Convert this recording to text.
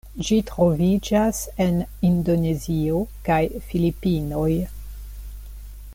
Ĝi troviĝas en Indonezio kaj Filipinoj.